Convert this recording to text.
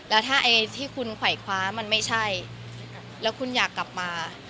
แล้วถ้าไอ้ที่คุณไขว่คว้ามันไม่ใช่แล้วคุณอยากกลับมา